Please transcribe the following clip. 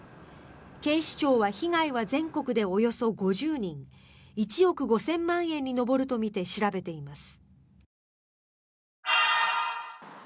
警視庁は被害は全国でおよそ５０人１億５０００万円に上るとみて調べています。